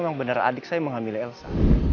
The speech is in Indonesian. kalo emang bener adik saya menghamili elsa